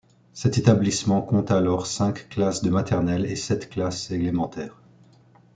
Cet établissement compte alors cinq classes de maternelle et sept classes élémentaires.